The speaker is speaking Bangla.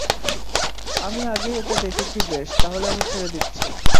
আমি আগেই এইটা দেখেছি বেশ, তাহলে আমি ছেড়ে দিচ্ছি।